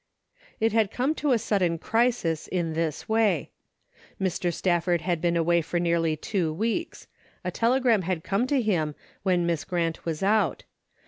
It had come to a sudden crisis in this way. Mr. Stafford had been away for nearly two weeks. A telegram had come to him, when Miss Grant was out.